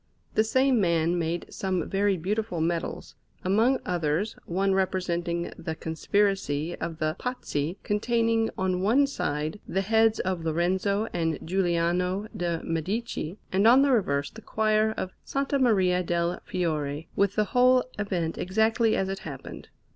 The same man made some very beautiful medals; among others, one representing the conspiracy of the Pazzi, containing on one side the heads of Lorenzo and Giuliano de' Medici, and on the reverse the choir of S. Maria del Fiore, with the whole event exactly as it happened.